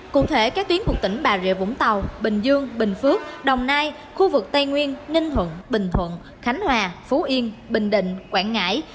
cụ thể các tuyến của tỉnh bà rịa vũng tàu bình dương bình phước đồng nai khu vực tây nguyên ninh thuận bình thuận khánh hòa phú yên bình định quảng ngãi